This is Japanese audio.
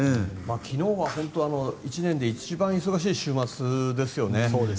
昨日は１年で一番忙しい週末ですよね。